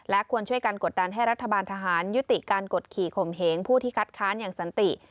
ควรช่วยกันกดดันให้รัฐบาลทหารยุติการกดขี่ข่มเหงผู้ที่คัดค้านอย่างสันติ